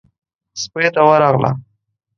سپۍ ته ورغله.